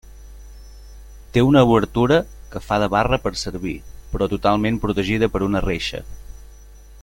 Té una obertura que fa de barra per servir, però totalment protegida per una reixa.